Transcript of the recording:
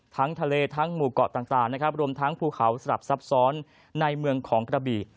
ทั้งทะเลทั้งหมู่เกาะต่างนะครับรวมทั้งภูเขาสลับซับซ้อนในเมืองของกระบี่